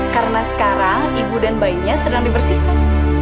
karena sekarang ibu dan bayinya sedang dibersihkan